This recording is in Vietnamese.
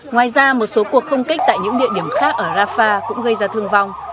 ngoài ra một số cuộc không kích tại những địa điểm khác ở rafah cũng gây ra thương vong